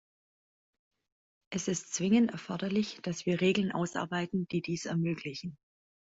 Es ist zwingend erforderlich, dass wir Regeln ausarbeiten, die dies ermöglichen.